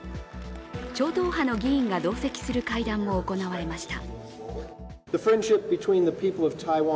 超党派の議員が同席する会談も行われました。